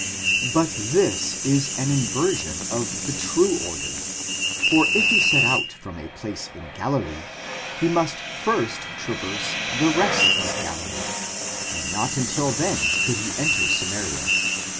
But this is an inversion of the true order ; for if he set out from a place in Galilee, he must first traverse the rest of Galilee, and not until then could he enter Samaria.